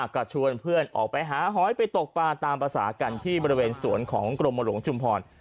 ก็ชวนเพื่อนออกไปหาหอยไปตกปลาตามภาษากันที่บริเวณสวนของกรมหลวงชุมพร